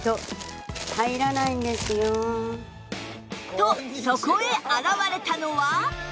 とそこへ現れたのは